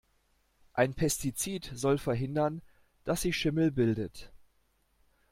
Ein Pestizid soll verhindern, dass sich Schimmel bildet.